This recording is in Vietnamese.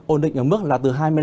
ổn định ở mức là từ hai mươi năm